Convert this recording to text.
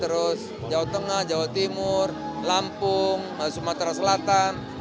terus jawa tengah jawa timur lampung sumatera selatan